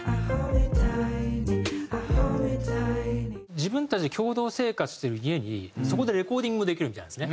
自分たちで共同生活している家にそこでレコーディングできるみたいなんですね。